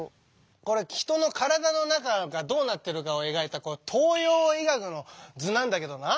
これ人の体の中がどうなってるかを描いた東洋医学の図なんだけどな。